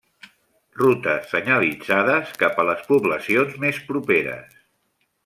Rutes senyalitzades cap a les poblacions més properes.